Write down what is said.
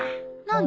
何？